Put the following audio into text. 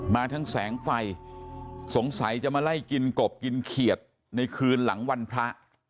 มาทั้งแสงไฟสงสัยจะมาไล่กินกบกินเขียดในคืนหลังวันพระ